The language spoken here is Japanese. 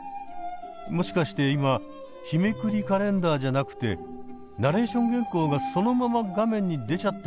もしかして今日めくりカレンダーじゃなくてナレーション原稿がそのまま画面に出ちゃってます？